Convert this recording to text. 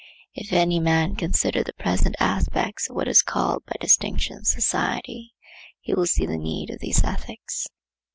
If any man consider the present aspects of what is called by distinction society, he will see the need of these ethics.